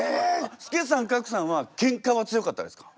助さん格さんはケンカは強かったですか？